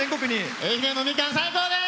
愛媛のみかん、最高です！